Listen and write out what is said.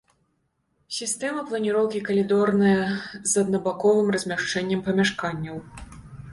Сістэма планіроўкі калідорная з аднабаковым размяшчэннем памяшканняў.